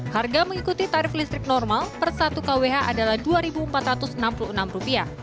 harga mengikuti tarif listrik normal per satu kwh adalah rp dua empat ratus enam puluh enam